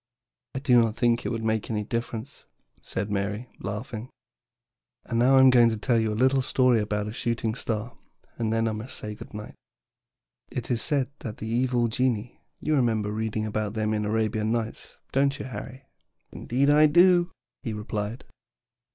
"I do not think it would make any difference," said Mary, laughing. "And now I am going to tell you a little story about a shooting star, and then I must say good night. "It is said that the evil genii you remember reading about them in the Arabian Nights, don't you, Harry?" "Indeed I do," he replied.